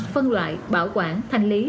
phân loại bảo quản thành lý